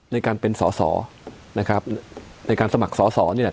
ในการเป็นสอสอนะครับในการสมัครสอสอนี่แหละ